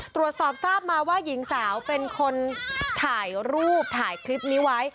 ตรวจสอบทราบมาว่าหญิงสาวเป็นคนถ่ายรูปถ่ายคลิปนี้ไว้